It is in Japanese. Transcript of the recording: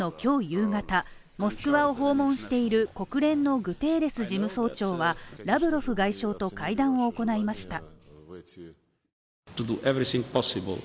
夕方、モスクワを訪問している国連のグテーレス事務総長はラブロフ外相と会談を行いました。